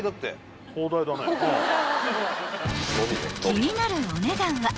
［気になるお値段は］